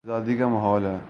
وہ آزادی کا ماحول ہے۔